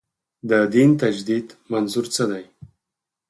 د دین تجدید منظور څه دی.